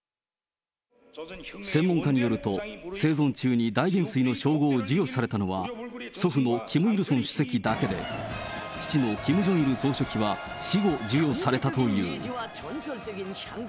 専門家によると、生存中に大元帥の称号を授与されたのは、祖父のキム・イルソン主席だけで、父のキム・ジョンイル総書記は、死後授与されたという。